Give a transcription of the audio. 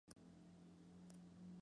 Cáliz tomentoso, con lóbulos dentados.